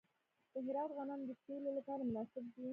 د هرات غنم د سیلو لپاره مناسب دي.